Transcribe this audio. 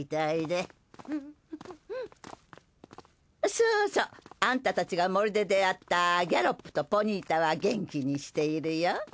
そうそうアンタたちが森で出会ったギャロップとポニータは元気にしているよ。